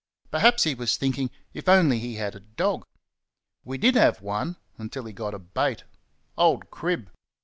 Perhaps he was thinking if he only had a dog! We did have one until he got a bait. Old Crib!